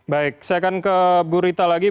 baik saya akan ke bu rita lagi